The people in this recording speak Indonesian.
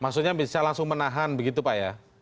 maksudnya bisa langsung menahan begitu pak ya